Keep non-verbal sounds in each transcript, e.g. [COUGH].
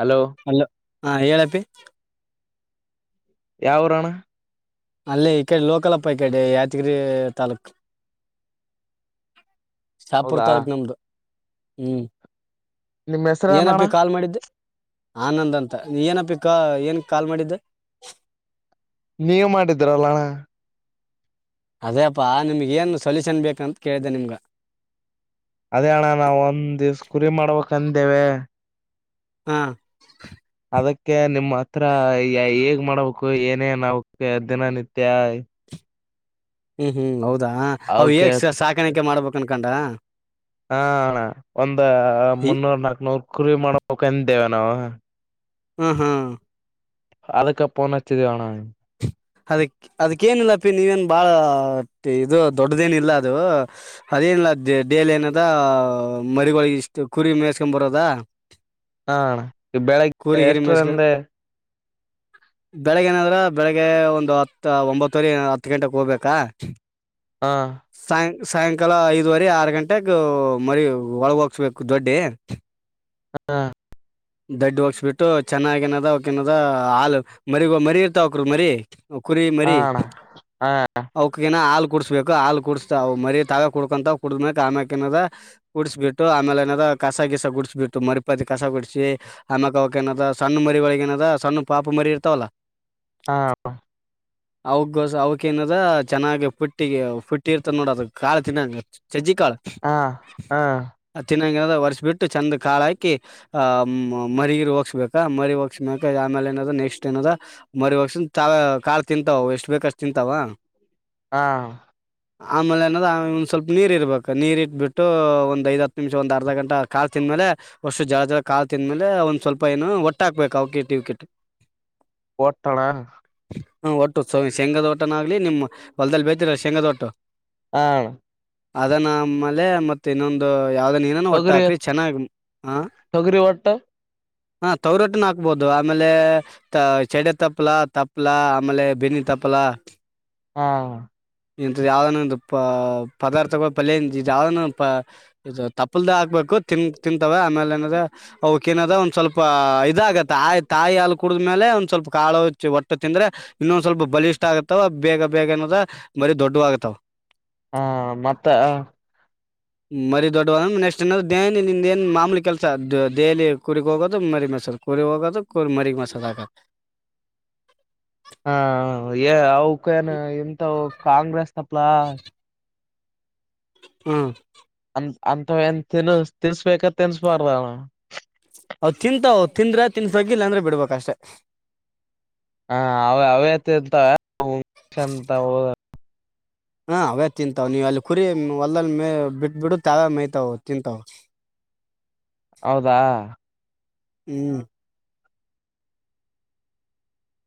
hello hello ಹಾ ಹೇಳಪ್ಪಿ ಯಾವರಣ ಅಲ್ಲಿೇ ಈ ಕಡೆ ಲೋಕಲ್ಪ್ ಈ ಕಡೆ ಯಾದಗಿರಿ ತಾಲೂಕ್ ಶಾಪುರ್ ಹೌದಾ ತಾಲೂಕ್ ನಮ್ದು ಹ್ಮ್ ನಿಮ್ ಹೆಸರನಣ್ಣ ಏನಪ್ಪಿ ಕಾಲ್ ಮಾಡಿದ್ದೆ ಆನಂದ್ ಅಂತ ನೀ ಏನಪ್ಪಿ ಕ ಏನ್ ಕಾಲ್ ಮಾಡಿದ್ದ ನೀವ ಮಾಡಿದೀರಲ್ಲಣ್ಣ ಅದೇಪ್ಪಾ ನಿಮ್ಗ ಏನ್ ಸೊಲ್ಯೂಷನ್ ಬೇಕಂತ ಕೇಳಿದೆ ನಿಮ್ಗ ಅದೇ ಅಣ್ಣ ನಾವವು ಒಂದ್ ದಿವ್ಸ ಕುರಿ ಮಾಡ್ಬೇಕಕ್ಂದೇವೆ ಹಾ ಅದಕ್ಕೆ ನಿಮ್ಮ್ ಹತ್ರ ಹೇಗ್ ಮಾಡಬೇಕು ಏನೇ ನಾವ ದಿನನಿತ್ಯ ಹ್ಮ್ ಹ್ಮ್ ಹೌದು ಅ್ ಅವಕೆ ಹೇಕ್ ಸಾಕಾಣಿಕೆ ಮಾಡ್ಬೇಕುನ್ ಕಂಡಾ ಹಾ ಒಂದ ಈ ಮುನ್ನೂರ್ ನಾಕ್ನೂರು ಕುರಿರಿವಿ ಮಾಡಬೇಕಕ್ಂದೇವೆ ನಾವು ಹ್ಮ್ ಹ್ಮ್ ಅದಕ್ಕೆ ಪನಚ್ಚರಿಣ ಅದ ಅದಕ್ಕೇನ ಇಿಲ್ಲಾಪ್ಪ ನೀವನ್ ಬಾಳ ಇದು ದೊಡ್ಡದೇನ ಇಲ್ಲ ಅದು ಅದೇನಿಲ್ಲ ಡೇಲಿ ಏನದ ಮರಿಗಳೊಿಗೆ ಇಷ್ಟು ಕುರಿ ಮೇಸ್ಕೊಂಡ್ ಬರೋದ ಹಾ ಬೆಳಗ್ಗೆ ಎಷ್ಟ್ರಂದೆ ಬೆಳಗ್ ಏನಾದ್ರ ಬೆಳಿಗ್ಗೆ ಒಂದು ಹತ್ತು ಒಂಬತ್ತುವರೆ ಹತ್ತು ಗಂಟೆೆಗೆ ಹೋಗ್ಬೇಕಾ ಹಾ ಸಾಯಂ ಸಾಯಂಕಾಲ ಐದುವರೆ ಆರ್ ಗಂಟೆಗೆ ಮರಿ ಒಳಗ ಹೋಗಸ್ಬೇಕು ದೊಡ್ಡಿ ಹಾ ದಡ್ಡು ಒಗ್ಸಬಿಟ್ಟು ಚೆನ್ನಾಗ ನದ ಅವಕನದ ಹಾಲು ಮರಿಗೋ ಮರಿ ಇರ್ತ ಅವಕ್ರ ಮರಿೀ ಕುರಿ ಹಾ ಮರಿ ಅಣ್ಣ ಹಾ ಅವಕ ಏ ಕುಡಸ್ಬೇಕು ಹಾ ಕ ಕುಡಿಸಸ್ತಾವು ಮರಿ ತಗ ಕುಡ್ಕೊಂತ ಕುಡ್ದ್ಮಬೇಕಕ್ ಆಮ್ಯ ನ ಕುಡಿಸ್ಬ ಬಿಟ್ಟು ಆಮೇಲೆ ನ್ ಕಸ ಗಿಸಸ ಗುಡಿಸಬಿಟ್ಟು ಮರಿ ಇಪ್ಪತ್ತತಿ ಕಸ ಕುಡಸಿ ಅಮ್ಮಕ್ಕ ಅವಕ್ಕ ನದ ಸಣ್ಣ ಮರಿ ಒಳಗ ಏನದ ಸಣ್ಣ ಪಾಪ ಮರಿ ಇರ್ತಾವಲ್ಲ [INAUDIBLE] ಹಾ ಅವಗಸ ಅವಕೇಏನದ ಚೆನ್ನಾಗಿ ಪುಟ್ಟಿಗೆ ಪುಟ್ಟಿ ಇರ್ತ ನೋಡ ಅದು ಕಾಾಲ ತಿನ್ನಂಗ ಸಜೀ ಕಾಲ ಹಾ ಹಾ [INAUDIBLE] ಇ ವರ್ಷ ಬಿಟ್ಟ ಚಂದ ಕಾಾಯ ಅಾಕಿ ಆ ಮರಿಗಿರಿ ಹೋಗ್ಸ್ಬೇಕ ಮರಿ ಹೋಗ್ಸ್ಮ ಆಮೇಲೆ ನದ ನೆಕ್ಸ್ಟ್ ಏನದ ಮರಿ ಹೋಗಸ ಕಾಳ ತಿಂತಾವ ಎಷ್ಟ್ ಬೇಕಷ್ಟ್ ತಿಂತಾವ ಹಾ ಆಮೇಲೆ ಏನಾದ್ರ್ ಆ ಒಂದ್ ಸ್ವಲ್ಪ ನೀರ್ ಇರ್ಬೇಕು ನೀರ್ ಇಟ್ಬಿಟ್ಟು ಒಂದ್ ಐದ ಹತ್ತು ನಿಮಿಷ ಒಂದ್ ಅರ್ಧ ಗಂಟ ಕಾಲ್ ತಿಂದ್ಮೇಲೆ ವಷ್ಟು ಜರ ಜರ ಕಾಲು ತಿಂದ್ಮೇಲೆ ಒಂದ್ ಸ್ವಲ್ಪ ಏನು ಒಟ್ಟ ಹಕ್ಬೇಕು ಅವಕಿಟ್ಕಿಟ್ [INAUDIBLE] ಒಟ್ಟಣ ಹ ಒಟ್ಟು ಸ ಚಂಗದ ಒಟನಾಗ ನಿಮ್ ಹೊಲ್ದಲ್ಲಿ ಬತರ ಶೇಂಗದೊಟ್ಟು ಆ ಅಣ್ಣ ಅದನ್ನಮೇಲೆ ಮತ್ತೆ ಇನ್ನೊಂದು ಯಾವ್ದ ನೀನ ಒಟ್ಟ ತೊಗರಿ ಹಾಕ್ರಿ ಚೆನ್ನಾಗ ತೊಗರಿ ಹೊಟ್ಟ ಹಾ ತವರೊಟ್ಟನ ಹಾಕ್ಬೋದು ಆಮೇಲೆ ಚಡೆ ತಪ್ಪಲ ತಪ್ಲ ಆಮೇಲೆ ಬೆನ್ನಿ ತಪ್ಪಲ ಹಾ ಇಂತ ಯಾವ್ದ ಒ ಪ ಪದಾರ್ಥಗಳು ಪಲ್ಯ ಯಾವ್ದ ಇದು ತಪ್ಪಲ್ದ ಹಾಕ್ಬೇಕು ತಿ ತಿಂತವೆ ಆಮೇಲೆ ಏನ್ರ ಅಕ ಏನದ ಒಂದ ಸ್ವಲ್ಪ ಇದಾಗ ತಾಯ್ ತಾಯಿ ಅಲ್ ಕುಡಿದ್ಮೇಲೆ ಸ್ವಲ್ಪ ಕಾಳ ಹೊಟ್ಟ ತಿಂದ್ರೆ ಇನ್ನೊಂದ ಸ್ವಲ್ಪ ಬಲಿ ಆತ್ತವ ಬೇಗ ಬೇಗ ಏನದ ಬರಿ ದೊಡ್ಡವಾಗತಾವ ಹಾ ಮತ್ತ ಮರಿ ದೊಡ್ಡವಾದ ನೆಕ್ಸ್ಟ್ ಏನ ದೇನ ನಿಂದ ಏನ್ ಮಾಮಲಿ ಕೆಲ್ಸ ದಹಲಿ ಕುರಿಗ್ ಹೋಗೋದು ಮರಿ ಮಸಾದ ಕುರಿಗ್ ಹೋಗೋದು ಕುರಿ ಮರಿಗ್ ಮಸದ ಹಾಕತ್ ಹಾ ೇನು ಎಂತ ಕಾಂಗ್ರೆಸ್ ತಪ್ಪಲ ಹ್ಮ್ ಅ ಅಂತ ಏನ್ ತಿನ್ ತಿನ್ಸ್ಬೇಕತ್ ತಿನ್ಸ್ಬಾರ್ದಣ ಹೌ್ ತಿಂತಾವ್ ತಿಂದ್ರೆ ತಿನ್ಸಗಿಲ್ಲ ಅಂದ್ರೆ ಬಿಡ್ಬೇಕಷ್ಟೆ ಹ ಅವ ಅವತಿಂತಂತ ಹಾ ಅವೇ ತಿಂತಾವ ನೀವು ಅಲ್ಲಿ ಕುರಿ ಹೊಲ್ಲ್ ಮೇ ಬಿಟ್ಟ ಬಿಡು ತಾವ ಮೈಯ್ತಾವ ತಿಂತಾವ ಹೌದಾ ಹ್ಮ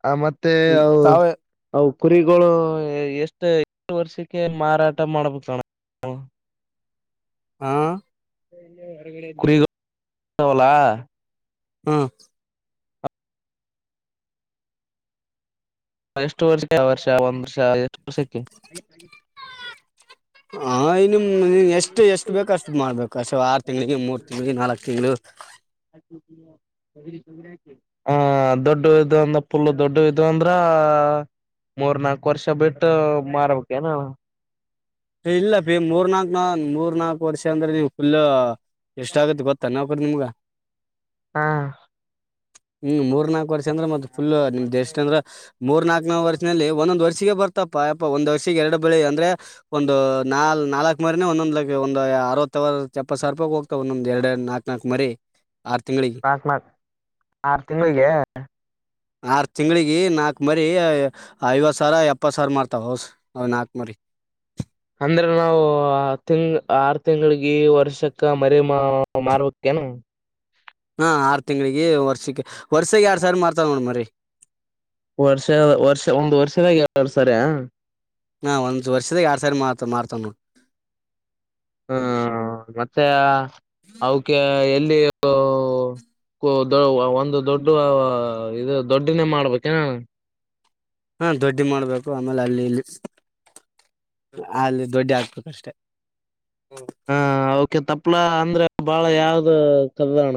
ಆ ಮತ್ತೆ ಅ ತಾವೇ ಹೌ ಕುರಿಗಳು ಎಷ್ಟು ಎಷ್ಟು ವರ್ಷಕ್ಕೆ ಮಾರಾಟ ಮಾಡ್ಬೇಕಣ ಹಾ ಕುಲಾ ಹ್ಮ್ ಎಷ್ಟು ವರ್ಷಕ್ಕೆ ಆ ವರ್ಷ ಒಂದ್ ವರ್ಷ ಎಷ್ಟು ವರ್ಷಕ್ಕೆ ಹ ಇನ್ನುಮ್ ಎಷ್ಟು ಎಷ್ಟು ಬೇಕ ಅಷ್ಟು ಮಾಡ್ಬೇಕು ಅಷ್ಟು ಆರು ತಿಂಗ್ಳಿಗೆ ಮೂರ್ ತಿಂಗ್ಳಿಗೆ ನಾಲ್ಕ್ು ತಿಂಗಗಳು ಹ ದೊಡ್ಡ ಇ ಅಂದ್ರ ಪಫುಲ್ ದೊಡ್ಡ ಇ್ ಅಂದ್ರ ಮೂರ್ ನಾಕ್ು ವರ್ಷ ಬಿಟ್ಟು ಮಾರಬೇಕೇನ ಇಲ್ಲ ಮೂರ್ ನಾಕ ಮೂರ್ ನಾಕಕ್ ವರ್ಷ ಅಂದ್ರೆ ನೀಮ್ ಫುಲ್ ಎಷ್ಟ ಆಗತ್ತೆ ಗೊತ್ತ ನಾವಕರಿ ನಿಮ್ಗ ಹಾ ಹ್ಮ್ ಮೂರ್ನಾಾಕಕ್ ವರ್ಷ ಅಂದ್ರೆ ಮತ್ತ ಫುಲ್ ನಿಮ್ದ್ ಎಷ್ಟಟ್ ಅಂದ್ರ ಮೂರ್ ನಾಕ್ನ ವರ್ಷಲ್ಲಿ ಒಂದೊಂದ ವರ್ಷಿಗ ಬರ್ತಪ ಯಪ್ಪಾ ಒಂದ್ ವರ್ಷಿಗೆ ಎರಡು ಬೆಳಿ ಅಂದ್ರೆ ಒಂದು ನಾಲ್ ನಾಲ್ಕು ಮರಿನೇ ಒಂದೊಂದ್ ಲ ಒಂದು ಅರವತ್ತಾವ ಚಪ್ಪ ಸಾವಿ ರಪಿ ಹೋಗ್ತವೆ ಒಂದೊಂದು ಎರಡುಡು ನಾಲ್ಕಕ್ ನಾಲ್ಕು ಮರಿ ಆರ್ ತಿಂಗಳಿಗೆ ಪಾಕ್ಮ ಆರು ತಿಂಗಳಿಗೆ ಆರು ತಿಂಗಳಿಗೆ ನಾಲ್ಕು ಮರಿ ಐವತ್ತು ಸಾವಿರ ಎಪ್ಪತ್ತು ಸಾವಿರ ಮಾಡ್ತಾವ ಹೌಸ ನಾಲ್ಕು ಮರಿ ಅಂದ್ರ ನಾವವು ತಿಂಗ್ ಆರು ತಿಂಗಳಗ ವರ್ಷಕ್ಕ ಮರಿ ಮಾ ಮಾರ್ುವಕ್ಕನಾ ಹಾ ಆರು ತಿಂಗಳಿಗೆ ವರ್ಷಕ್ಕೆ ವರ್ಸಗ್ ಯಾರ್ ಸ ಮಾಡತ್ ನೋಡ ಮ್ರರಿ ವರ್ಷ ವರ್ಷ ಒಂದು ವರ್ಷದಾಗ ಎಲ್ಲರುು ಸರಿ ಹಾ ಒಂದ್ ವರ್ಷದಾಗ ಎಡ್ ಸಾರಿ ಮತ ಮಾರ್ತವನು ಹ್ಮ ಮತ್ತೆ ಅವಕ ಎಲ್ಲಿ ಲ್ಲಿ ಒಂದು ದೊಡ್ಡ ಇದು ದೊಡ್ಡನೇ ಮಾಡ್ಬೇಕ ಹಾ ದೊಡ್ಡಿ ಮಾಡ್ಬೇಕು ಆಮೇಲೆ ಅಲ್ಲಿ ಇಲ್ಲಿ ಅಲ್ಲಿ ದೊಡ್ಡಿ ಹಾಕ್ಬೇಕುಷ್ಟೆ ಹಾ ಅಕ ತಪ್ಲಾ ಅಂದ್ರೆ ಬಾಳ ಯಾವ್ದ ಚಲ್ಣ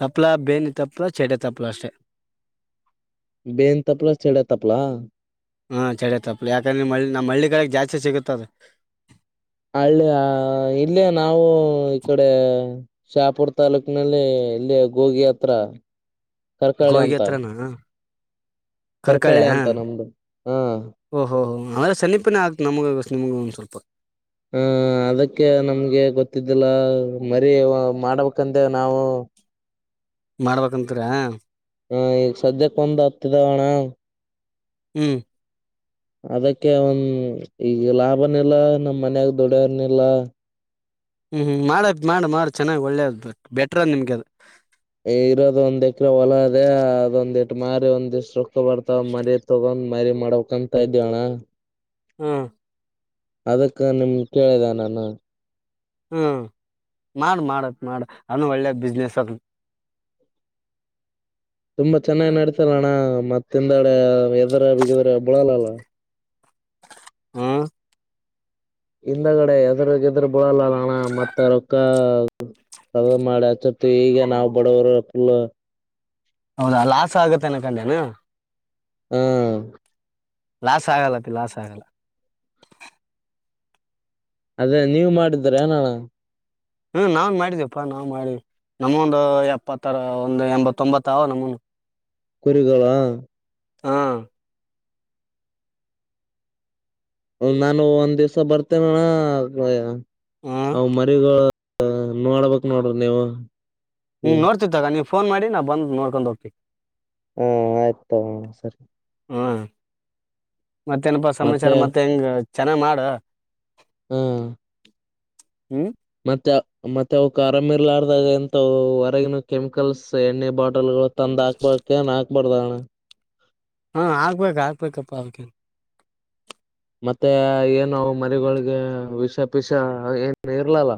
ತಪ್ಲಾ ಬೇನಿ ತಪ್ಲ ಚಟ ತಪ್ಲ ಅಷ್ಟೆ ಬೇನ್ ತಪ್ಪಲ ಚೆಡ ತಪ್ಪಲಾ ಹಾ ಚಳಿ ತಪ್ಪಲಿ ಯಾಕಂದ್ರೆ ಮಿ ನಮ್ಮ ಮಳ್ಳಿ ಕಿಗೆ ಜಾಸ್ತಿ ಸಿಗುತ್ತದ ಹಳ್ಳಿ ಇಲ್ಲಿ ನಾವು ಈ ಕಡೆ ಶಾಪುರ್ ತಾಲೂಕಿನಲ್ಲಿ ಇಲ್ಲಿ ಗೋಗಿ ಹತ್ರ ಕರ್ಕಳಿ ಗೋಗಿ ಅಂತ ಹತ್ರನ ಕರ್ಕಳೆ ಕರ್ಕಳಿ ಅಂತ ನಮ್ದು ಹಾ ೆ ಸನ್ನಿಪನೇ ಆಗ್ತು ನಮಗೆ ನಿಮಗ ಒಂದು ಸ್ವಲ್ಪ ಹ ಅದಕ್ಕೆ ನಮ್ಗೆ ಗೊತ್ತಿದ್ದಿಲ್ಲ ಮರಿೀ ಮಾಡ್ಬೇಕಂದ ನಾವು ಮಾಡ್ಬೇಕಂತರಾ ಹಾ ಈಗ ಸದ್ಯಕ್ಕೆ ಬಂದ್ ಹತ್ತಿದಾವಣ್ಣ ಹ್ಮ್ ಅದಕ್ಕೆ ಒಂದ ಈಗ ಲಾಭನಿಲ್ಲ ನಮ್ ಮನ್ಯಾಗ ದೊಡರ್ನಿಲ್ಲ ಹ್ಮ್್ಮ್ ಮಾಡದ ಮಾಡ ಮಾಡ ಚೆನ್ನ್ ಒಳ್ಳೇದ ಬೆಟ್ರದ್ ನಿಮ್ಗೆ ಅದ್ ಇರೋದ ಒಂದ್ ಎಕ್ರ ಹೊಲ ಅದೇ ಅದೊಂದ್ಟ್ಟ ಮಾರಿ ಒಂದ್ ದಷ್ಟ ಸುಕ್ಕ ಬರ್ತಾವ ಮರಿ ತಗೊಂಡ್ ಮರಿ ಮಾಡಕಂತ ಇದ್ದ್ಯವಣ್ಣ ಹ್ಮ ಅದಕ್ಕ ನಿಮ್ ಕೇಳಿದೆ ನಾನ ಹ್ಮ ಮಾಡ ಮಾಡತ ಮಾಡ ಅನ್ನ ಒಳ್ಳೆ ಬಿಸ್ನೆಸ್ ಅದ ತುಂಬಾ ಚೆನ್ನಾಗಿ್ ನಡತಲ್ಲಣ್ಣ ಮತ್ತೆ ತಿಂದಾಡ ಎದರ ಬಿಗದ್ರ ಬಿಳಲ್ಲಲ್ಲ ಹ್ಮ್ ಹಿಂದಗಡೆ ಎದ್ರಗೆದ್ರ ಬಡಲ್ಲಲ್ಲ ಅಣ್ಣ ಮತ್ತ ರೊಕ್ಕ ಮಾಡಿ ಅಚ್ಚತಿ ಈಗ ನಾವವು ಬಡವರು ಫುಲ್ ಹೌದಾ ಲಾಸ್ ಆಗತ್ತೆ ಅನಕಂಡನು ಹ್ಮ ಲಾಸ್ ಆಗಲ್ಲತಿ ಲಾಸ್ ಆಗಲ್ಲ ಅದೇ ನೀವ್ ಮಾಡಿದ್ರ ಏನಣ ಹ್ಮ ನಾವನ್ ಮಾಡಿದಪ್ಪಾ ನಾ್ ಮಾಡಿ ನಮೊಂದು ಎಪ್ಪತ್ತರ ಒಂದು ಎಂಬತ್ತೊಂಬತ್ತಾವ ನಮ್ಮನು ಕುರುಗಾ ಹಾ ನಾನು ಒಂದ್ ದಿವ್ಸ ಬರ್ತೆೇನಣ ಹ್ಮ್ ಅವ ಮರಿಗಳು ಹ ನೋಡ್ಬೇಕಕ್ ನೋಡ್ರಿ ನೀವು ಹ್ಮ್ ನೋಡ್ತಿದ್ದಾಗ ನೀವು ಫೋನ್ ಮಾಡಿ ನಾವು ಬಂದು ನೋಡ್ಕೊಂಡು ಹೋಗ್ತೀವಿ ಹಾ ಆಯ್ತು ಹ ಸರಿ ಹಾ ಮತ್ತೇನಪಾ ಸಮಾಚಾರ ಮತ್ತೆ ಹೆಂಗ ಚೆನ್ನ ಮಾಡ ಹಾ ಹ್ಮ್ ಮತ್ತೆ ಮತ್ತೆ ಅವ ಕರಮಿರ್ಲಾರ್ದಾಗ ಎಂತ ಹೊರಗಿನ ಕೆಮಿಕಲ್ಸ್ ಎಣ್ಣೆ ಬಾಟಲ್ಗಳು ತಂದ್ ಹಾಕ್ಬಾ ಬರದಾನ ಹಾ ಆಗ್ಬೇಕಕ್ ಆಾಕ್ಬೇಕಪ್ಪ ಅವಕೇನ್ ಮತ್ತೆ ಏನು ಮರಿಗಳಿಗೆ ವಿಷ ಪಷ ಏನು ಇರ್ಲಲ್ಲ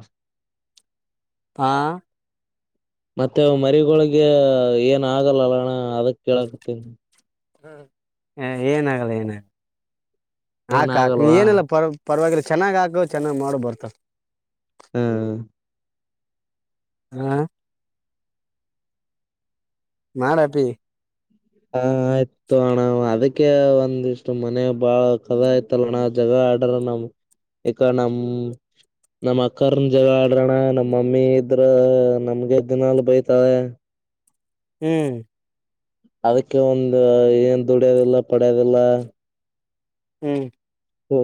ಹಾ ಮತ್ತೆ ಮರಿಗಳೊಿಗೆ ಏನ್ ಆಗಲ್ಲಲ್ಲ ಅಣ ಅದಕ್ ಕೇಳಕತೇನಿ ಹ ಏನ ಆಗಲ್ಲ ಏನ ಏನ್ ಆಾಕಾಕ್ ನೀ ಆಗಲ್ವಾ ಏನಲ್ಲ ಪರ ಪರವಾಗಿಲ್ಲ ಚೆನ್ನಾಗ್ ಹಾಕು ಚೆನ್ನಾಗ್ ಮಾಡ ಬರ್ತಾರ ಹ್ಮ್ ಹ್ಮ್ ಮಾಡಾಡಪಿ ಹಾ ಆಯ್ತ ಹಣ ಅದ ಅಕ ಒಂದಿಷ್ಟು ಮನ ಬಾಳ ಕದ ಐತಲ್ಲಣ್ಣ ಜಗ ಆಡ್ರ ನಮ್ ಈಕ ನಮ ನಮ್ ಅಕ್ಕರ್ನ್ ಜಗ ಆಡ್ರಣ್ಣ ನಮ್ ಮಮ್ಮಿ ಇದ್ರ ನಮಗೆ ದಿನಲ್ ಬೈತವೆ ಹ್ಮ್ ಅದಕ್ಕೆ ಒಂದು ಏನ್ ದುಡ್ಯದಿಲ್ಲ ಪಡ್ಯದಿಲ್ಲ ಹ್ಮ್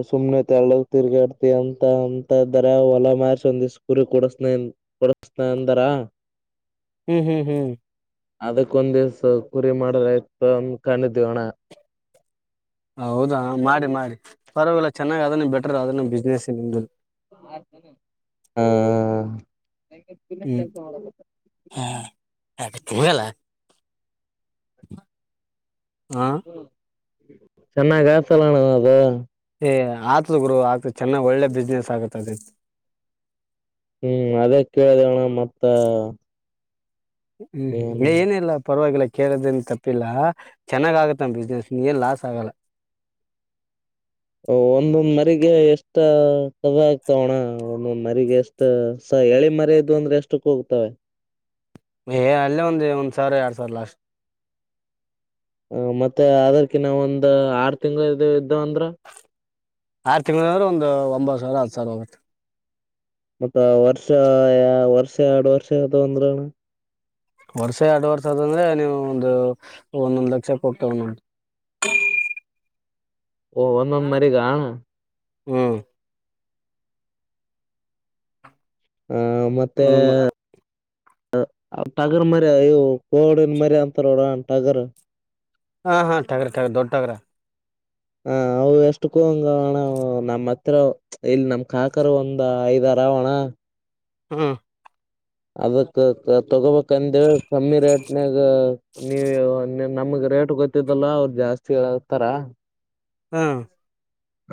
ಸುಮ್ನೆ ಎಳಗ್ ತಿರ್ಗಿಾಡ್ತಿ ಅಂತ ಅಂತ ಇದಾರ ಹೊಲ ಮಾರಸ ಒಂದ ದಿವ್ ಕುರಿ ಕೊಡಸ್ನ ಕೊಡಸ್ನ ಅಂದಾರ ಹ್ಮ್ ಹ್ಮ್ ಹ್ಮ್ ಅದಕ್ ಒಂದ್ ದಿವ್ಸ ಕುರಿ ಮಾಡ್ರ ಆಯ್ತ ಅಂದ ಕಾಣಿದ ಅೋಣ ಹೌದಾ ಮಾಡಿ ಮಾಡಿ ಪರವಾಗಿಲ್ಲ ಚೆನ್ನಾಗ್ ಅದನ್ನ ಬೆಟರ್ ಅದನ್ನ ಬಿ್ನೆಸ್ ಏ [UNINTELLIGIBLE] ಹಾ [UNINTELLIGIBLE] ನಗೆ ತಿನ್ನ ಕೆಲ್ಸ ಮಾಡ ಅ ತುಲ್ಲ ಹ ಹ ಚೆನ್ನ ಗತಲ್ಲಣ ಅದ ಆತ ಗರು ಆಗ್ತ ಚೆನ್ನ ಒಳ್ಳೆ ಬಿಸ್ನೆಸ್ ಆಗುತ್ತೆ ತದೆೇ ಹ್ಮ್ ಅದೇ ಕೇಳಿದೆಣ್ಣ ಮತ್ತ ಹ್ಮ್್ಮ ಏನು ಏನಿಲ್ಲ ಪರವಾಗಿಲ್ಲ ಕೇಳದನ್ ತಪ್ಪಿಲ್ಲ ಚೆನ್ನಾಗ್ ಆಗತ್ತ ಬಿಸ್ನೆಸ್ ನೀ ಏನ್ ಲಾಸ್ ಆಗಲ್ಲ ಒಂದೊಂದ್ ಮರಿರಿಗೆ ಎಷ್ಟ ಸವೆ ಆಗ್ತಾವೋಣ ಒಂದೊಂದ್ ಮರಿರಿಗೆ ಎಷ್ಟ ಸ ಎಳಿ ಮರದು ಅಂದ್ರೆ ಎಷ್ಟಕ್ಕೋಗ್ತವೆ ಅಲ್ಲೇ ಒಂದ ಒಂದ್ ಸಾವಿರ ಎರಡ್ ಸಾವಿರ ಲಾಸ್ ಮತ್ತ ಅದರ್ಕ ನಾವ ಒಂದ್ ಆರ್ ತಿಂಗಗಳು ಇದ ಇದ್ದವ ಅಂದ್ರ ಆರು ತಿಂಗಳನಂದ್ರೆ ಒಂದು ಒಂಬತ್ತು ಸಾವಿರ ಹತ್ತು ಸಾವಿರ ಆೋಗುತ್ತೆ ಮತ್ತ ವರ್ಷ ವರ್ಷ ಎರಡು ವರ್ಷ ಯಾವದು ಅಂದ್ರಣ ವರ್ಷ ಎರಡು ವರ್ಷ ಅದಂದ್ರೆ ನೀವು ಒಂದು ಒಂದೊಂದ್ ಲಕ್ಷ ಕೊೋಗತವಟ ಓ ಒಂದೊಂದ ಮರಿ ಕಾಣ ಹ್ಮ್ ಹ ಮತ್ತೆ ಒಂದೊಂದ್ ಟಗರ್ ಮರಿ ಇಯವು ಗೋಡಿನ ಮರಿ ಅಂತಾರೋಡ ಟಗರ್ ಹಾ ಹಾ ಠಾಕ್ರ ಠಾಕ್ರ ದೊಡ್ಡ ಠಕ್ರಾ ಹ ಅವು ಎಷ್ಟಕ್ಕೂಂಗಣ ನಮ್ಮ್ ಹತ್ರ ಇಲ್ಲಿ ನಮ್ ಕಾಕರ್ ಒಂದ್ ಐದಾರ ಅವವಣ ಹ್ಮ್ ಅದಕ್ ತಗೋಬೇಕ ಕಂದ ಕಮ್ಮಿ ರೇಟ್ನಾಗ ನೀವು ನಮಗ್ ರೇಟ್ ಗೊತ್ತಿದ್ದಲ್ಲ ಅವರು ಜಾಸ್ತಿತಾರ ಹ್ಮ್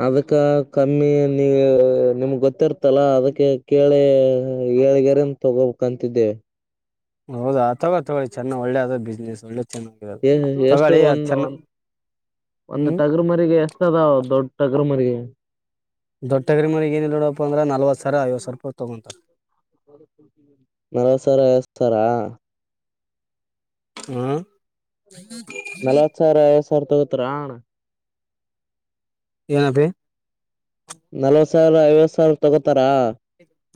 ಅದಕ್ಕ ಕಮ್ಮಿ ನೀ ನಿಮಗೆ ಗೊತ್ತಿರ್ತಲ್ಲಾ ಅದಕ್ಕೆ ಕೇಳಿ ಏಳ್ಗರೇನ್ ತಗೋಂತಿದ್ದೇವೆ ಹೌದಾ ಆ ತಗ ತಗೊಳ್ಳಿ ಚೆನ್ನ ಒಳ್ಳೇದ ಬಿಸ್ನೆಸ್ ಒಳ್ಳೆ ಚೆನ್ನಾಗಿರೋದು ಹ ಎಷ್ಟು ತಗೊಳ್ಳಿ ಅದ್ ಒಂದು ಚೆನ್ನ ಒ ಒಂದು ಹ್ಮ್ ಟಗರ್ ಮರಿಗೆ ದ ದೊಡ್ಡಕ್ರ ಮಗೆ ದೊಟ್ಟಗರಿ ಮನ ಏನ ಇ ನೋಡಪ್ಪ ಅಂದ್ರ ನ ಹಲ್ವತ್ತು ಸ ಐವತ್ತು ಸ ರಪಿ ತಗೊಂತಾರೆ ನಲವ ಸರ ಎತಾರಾ ಹ್ಮ್ ಹ್ಮ್ ಹ್ಮ್ ಸರ್ತ ಉತ್ರರಣ ಎನ್ನಾವೆ ನಲ್ವತ್ ಸಾವಿರ ಐವತ್ತು ಸಾವಿರ ತಗೋತಾರಾ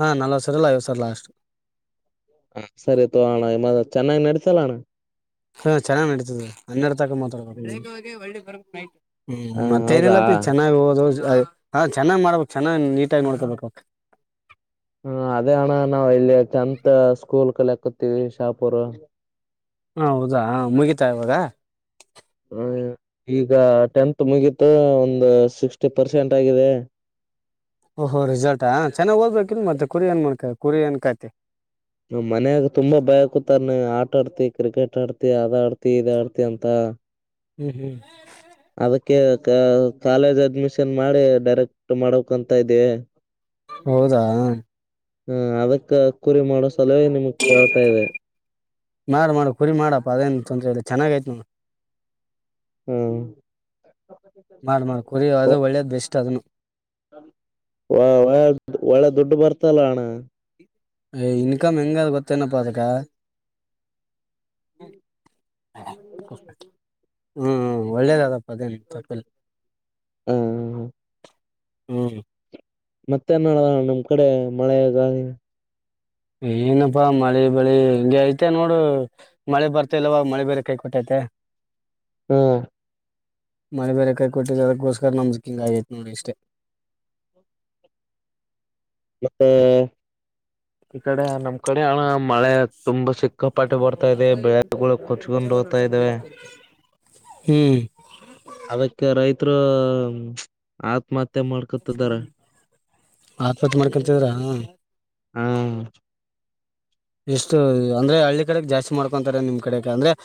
ಹಾ ನಲ್ವತ್ ಸಾವಿರ ಇಲ್ಲ ಐವತ್ ಸಾವಿರ ಲಾಸ್ಟ್ ಹ ಸರಿ ತೋ ಚೆನ್ನಾಗಿ ನಡತ ಲ ಹಾ ಚೆನ್ನಾಗ್ ನಡೀತದೆ ಹನ್ನೆರಡು ತಕ ಮಾತಾಡ ಹ ಬತು ಹ್ಮ್ ಹೌದಾ ಮತ್ತೇಏನಿಲ್ಲಪಿ ಚೆನ್ನ್ ಹಓದು ಹಾ ಚೆನ್ನಾಗ್ ಮಾಡ್ಬೇಕಕ್ ಚೆನ್ನಾಗ್ ನೀಟಾಗಿ ಮಾಡ್ಕೊಬೇಕ ಮತ್ತ ಸ್ಕೂಲ್ ಕಲೆಾಕೋತೀವಿ ಶಾಪೂರ್ ಹ ಹೌದಾ ಮುಗಿತಾ ಇವಾಗ ಈಗ ಟೆಂತ್ ಮುಗತು ಒಂದು ಸಿಕ್ಸ್ಟಿ ಪರ್ಸೆಂಟ್ ಆಗಿದೆ ಓಹೋ ರಿಿಸಲ್ ಹ ಚೆನ್ನಾಗ ಹೋಗ್ಬೇಕಿ ಮತ್ತ ಕುರಿ ಏ ಮಾಡ್ಕಬೇಕು ಕುರಿಯನ್ ಕತೆೆ ನ್ ಮನ್ಯಾಗ ತುಂಬಾ ಭಯ ಕುೂತಾರ ನೀ ಆ ಆಡ್ತಿ ಕ್ರಿಕೆಟ್ ಆಡ್ತಿ ಅದ ಆಡ್ತಿ ಇದ ಆಡ್ತಿ ಅಂತ ಹ್ಮ್ ಹ್ಮ್ ಅದಕ್ಕೆ ಕಾಲೇಜ್ ಅಡ್ಮಿಷನ್ ಮಾಡಿ ಡೈರೆಕ್ಟ್ ಮಾಡಕ್ ಅಂತ ಇದೀವಿ ಹೌದಾ ಹ ಅದಕ್ಕ ಕುರಿ ಮಾಡ ಸಲುವೇ ನಿಮಗ್ ಕಳ್ತಾ ಇದೆ ಮಾಡ ಮಾಡು ಕುರಿ ಮಾಡಪ್ಪ ಅದೇನ್ ತೊಂದ್ರ ಇಲ್ಲ ಚೆನ್ನಾಗಯತ ನ ಹ್ಮ್ ಮಾಡ್ ಮಾಡ್ ಕುರಿ ಅದು ಒಳ್ಳೇದ್ ಬೆಸ್ಟ್ ಅದನು ಒ ಒಳ್ಳೆ ದುಡ್ಡು ಬರ್ತ ತಲಾಣ ಇನ್ಕಮ್ ಹೆಂಗ ಗೊತ್ತನಪ್ಪ ಅದುಕ್ಕ ಹ ಹ್ಮ್ ಒಳ್ಳದಪ್ಪ ಅೇ ಪ್ಪನ್ ಹ ಹ್ಮ್ ಮತ್ತೇನ್ಡ ನಮ್ ಕಡೆ ಮಳೆಗಾಗಿ ಏನಪ್ಪಾ ಮಳೆ ಬಳಿ ಹಂಗಗೆ ಐತೆ ನೋಡು ಮಳೆ ಬರ್ತ ಇಲ್ವ ಮಳ ಬರೆೇಕಾಯ ಪಠುತ್ತ ಹಾ ಮನೆ ಬೇರೆ ಕಾಯಿ ಕೊಟ್ಟಿದದಕ್ಕೋಸ್ಕರ ನಮ್ದುಕಿಂಗ್ ಆಗೈತ್ ನೋಡಿ ಇಷ್ಟೆ ಮತ್ತೆ ಈ ಕಡೆ ನಮ್ ಕಡೆ ಹಣ ಮಳೆ ತುಂಬಾ ಸಿಕ್ಕಪಾಟ್ಟಿ ಬರ್ತಾ ಇದೆ ಬೆಳೆಗಳು ಕೊಚ್ಕೊಂಡು ಹೋಗ್ತಾ ಇದೆ ಹ್ಮ್ ಅದಕ್ಕೆ ರೈತರು ಆತ್ಮಹತ್ಯ ಹತ್ತೆ ಮಾಡ್ಕೊತಿದ್ದಾರೆ ಆತ್ಪತ್ ಮಾಡಿ ಕಲ್ತಿದ್ರ ಹ್ಮ ಎಷ್ಟು ಅಂದ್ರೆ ಹಳ್ಳಿ ಕಡೆಗೆ ಜಾಸ್ತಿ ಮಾಡ್ಕೊಂತಾರೆ ನಿಮ್ ಕಡೆಗೆ ಅಂದ್ರೆ